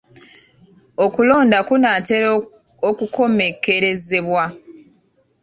Okulonda kunaatera okukomekkerezebwa.